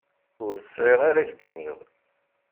Ur sɛiɣ ara k-d-iniɣ.